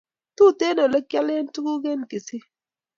Tuten ele kiyaklen tukul en kisii